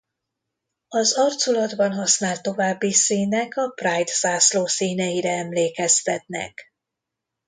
Az arculatban használt további színek a pride zászló színeire emlékeztetnek.